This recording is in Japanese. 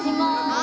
あ。